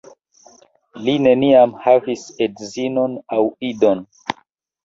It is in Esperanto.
Li neniam havis edzinon aŭ idon.